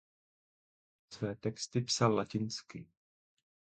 Své texty psal latinsky.